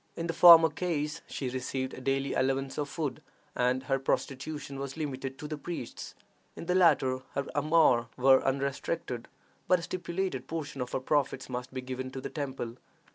In the former case, she received a daily allowance of food, and her prostitution was limited to the priests; in the latter, her amours were unrestricted, but a stipulated portion of her profits must be given to the temple.